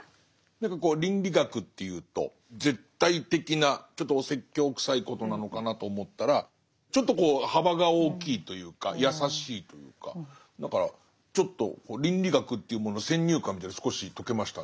何かこう倫理学っていうと絶対的なちょっとお説教くさいことなのかなと思ったらちょっと幅が大きいというか優しいというかだからちょっと倫理学というものの先入観みたいなの少し解けましたね。